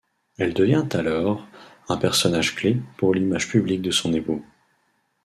Elle devient alors un personnage clé pour l'image publique de son époux.